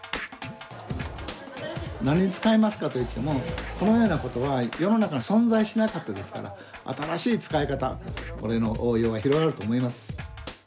何に使いますかといってもこのようなことは世の中に存在しなかったですから新しい使い方これの応用が広がると思います。